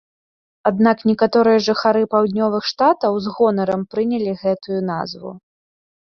Аднак некаторыя жыхары паўднёвых штатаў з гонарам прынялі гэтую назву.